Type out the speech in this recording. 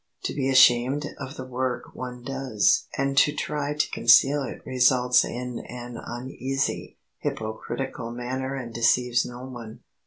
To be ashamed of the work one does and to try to conceal it results in an uneasy, hypocritical manner and deceives no one.